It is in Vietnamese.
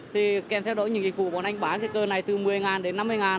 thì kèm xe đỗ những dịch vụ bán trên cơ này từ một mươi đến năm mươi